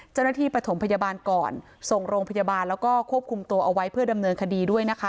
ประถมพยาบาลก่อนส่งโรงพยาบาลแล้วก็ควบคุมตัวเอาไว้เพื่อดำเนินคดีด้วยนะคะ